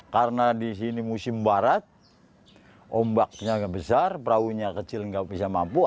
karena di sini musim barat ombaknya besar perahunya kecil nggak bisa mampu